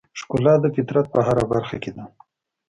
ښکلا د فطرت په هره برخه کې ده.